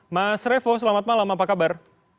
mas revo selamat malam apa kabar